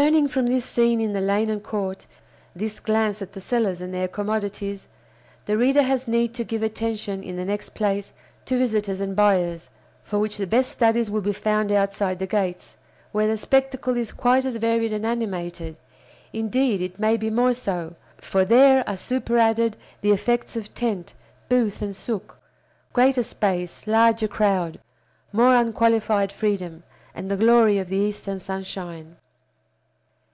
Turning from this scene in the lane and court, this glance at the sellers and their commodities, the reader has need to give attention, in the next place, to visitors and buyers, for which the best studies will be found outside the gates, where the spectacle is quite as varied and animated; indeed, it may be more so, for there are superadded the effects of tent, booth, and sook, greater space, larger crowd, more unqualified freedom, and the glory of the Eastern sunshine.